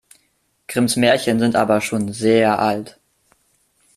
Grimms Märchen sind aber schon sehr alt.